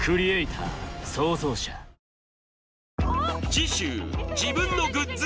次週自分のグッズ